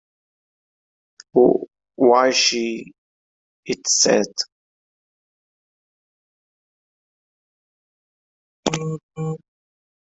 ‘Why, she,’ it said.